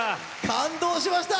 感動しました。